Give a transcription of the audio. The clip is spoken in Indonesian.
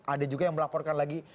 ada juga yang melaporkan lagi